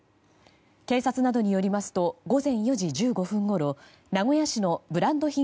警察などによりますと午前４時１５分ごろ名古屋市のブランド品